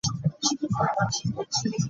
Yaŋŋamba tasobola kubaawo nga tamanyi.